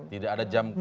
tidak ada jam kerja